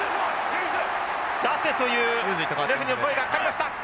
出せというレフリーの声がかかりました。